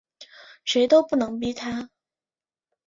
谁都不能逼他